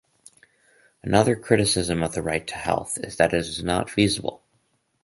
Another criticism of the right to health is that it is not feasible.